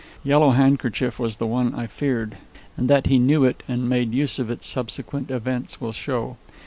Yellow Handkerchief was the one I feared, and that he knew it and made use of it, subsequent events will show.